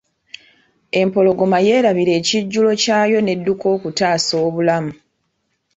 Empologoma yerabira ekijjulo kyayo n'edduka okutaasa obulamu.